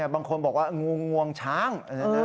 บางคนบอกว่างูงวงช้าง